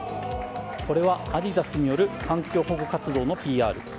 これはアディダスによる環境保護活動のＰＲ。